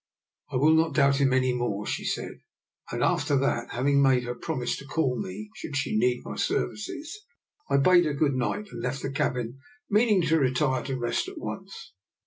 I will not doubt him any more," she said; and after that, having made her prom ise to call me should she need my services, I bade her good night and left the cabin, meaning to retire to rest at once.